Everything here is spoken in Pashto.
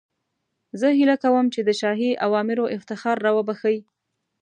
زه هیله کوم چې د شاهي اوامرو افتخار را وبخښئ.